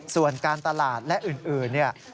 ส่วนการตลาดและอื่นเนี่ย